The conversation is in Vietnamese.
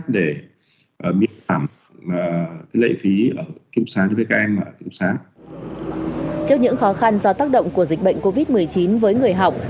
trước những khó khăn do tác động của dịch bệnh covid một mươi chín với người học